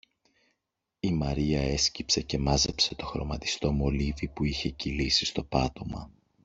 Η Μαρία έσκυψε και μάζεψε το χρωματιστό μολύβι που είχε κυλήσει στο πάτωμα